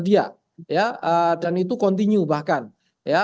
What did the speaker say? dia ya dan itu continue bahkan ya